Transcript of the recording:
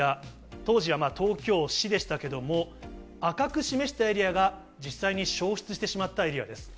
当時は東京市でしたけれども、赤く示したエリアが、実際に焼失してしまったエリアです。